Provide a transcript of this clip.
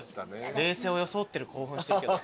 平静を装ってる興奮してるけど。